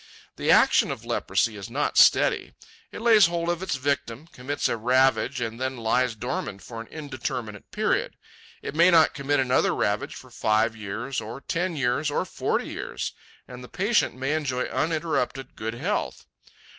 The action of leprosy is not steady. It lays hold of its victim, commits a ravage, and then lies dormant for an indeterminate period. It may not commit another ravage for five years, or ten years, or forty years, and the patient may enjoy uninterrupted good health.